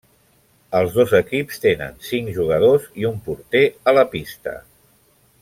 Els dos equips tenen cinc jugadors i un porter a la pista.